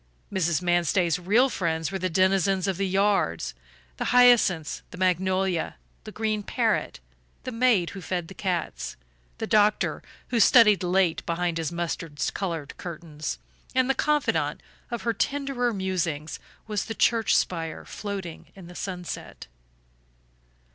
Mrs. Manstey's real friends were the denizens of the yards, the hyacinths, the magnolia, the green parrot, the maid who fed the cats, the doctor who studied late behind his mustard colored curtains; and the confidant of her tenderer musings was the church spire floating in the sunset.